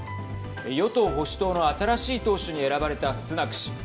与党・保守党の新しい党首に選ばれたスナク氏。